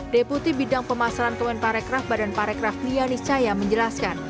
deputi bidang pemasaran kemen parekraf badan parekraf lianis caya menjelaskan